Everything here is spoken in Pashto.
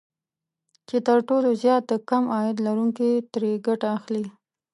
چې تر ټولو زيات د کم عاید لرونکي ترې ګټه اخلي